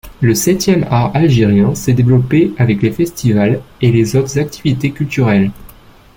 Le septième art algérien s'est développé avec les festivals et les autres activités culturelles.